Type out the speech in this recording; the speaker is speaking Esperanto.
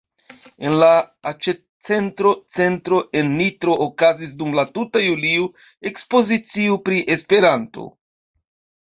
En la aĉetcentro "Centro" en Nitro okazis dum la tuta julio ekspozicio pri Esperanto.